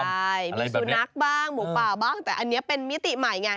ใช่มีสุนัขบ้างหมูป่าบ้างแต่อันนี้เป็นมิติใหม่ไง